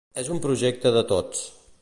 És un projecte de tots.